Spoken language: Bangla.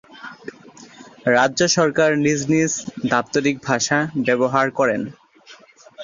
রাজ্য সরকার নিজ নিজ দাপ্তরিক ভাষা ব্যবহার করে।